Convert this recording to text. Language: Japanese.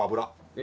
え？